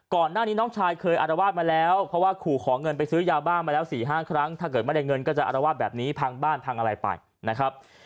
ก่อนหน้านี้น้องชายเคยอารวาสมาแล้วเพราะว่าขู่ขอเงินไปซื้อยาบ้ามาแล้ว๔๕ครั้งถ้าเกิดไม่ได้เงินก็จะอารวาสแบบนี้พังบ้านพังอะไรไปนะครับ